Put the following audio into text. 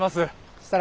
設楽